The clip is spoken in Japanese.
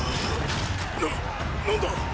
なっ何だ⁉